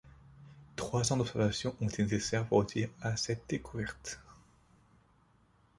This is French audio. Trois ans d'observations ont été nécessaires pour aboutir à cette découverte.